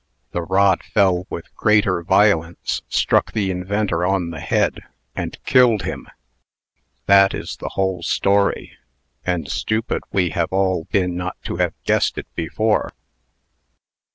The rod fell with greater violence, struck the inventor on the head, and killed him! That is the whole story; and stupid we have all been not to have guessed it before."